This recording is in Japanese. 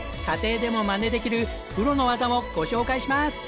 家庭でもまねできるプロの技をご紹介します！